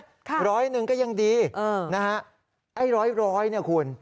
ค่ะค่ะร้อยหนึ่งก็ยังดีนะฮะไอ้ร้อยนี่คุณ